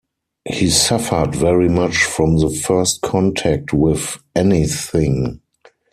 He suffered very much from the first contact with anything.